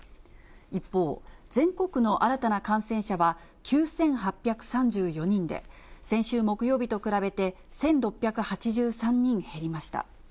一方、全国の新たな感染者は９８３４人で、先週木曜日と比べて１６８３人減りました。